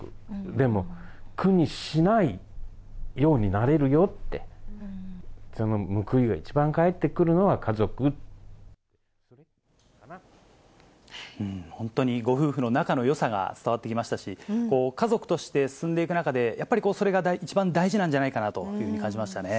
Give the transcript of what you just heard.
でも苦にしないようになれるよって、本当にご夫婦の仲のよさが伝わってきましたし、家族として進んでいく中で、やっぱりそれが一番大事なんじゃないかなというふうに感じましたね。